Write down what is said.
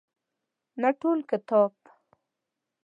نه ټول کتاب.